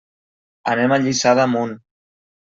Anem a Lliçà d'Amunt.